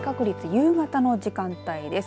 夕方の時間帯です。